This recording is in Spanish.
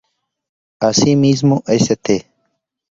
Asimismo St.